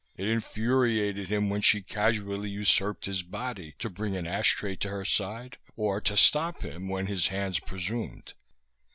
It infuriated him when she casually usurped his body to bring an ashtray to her side, or to stop him when his hands presumed.